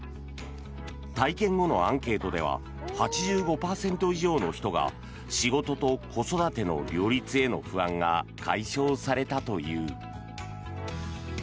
体験後のアンケートでは８５％以上の人が仕事と子育ての両立への不安が解消されたという。